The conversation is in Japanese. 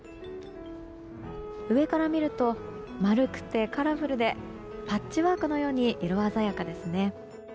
上から見ると丸くてカラフルでパッチワークのように色鮮やかですね。